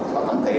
và có thể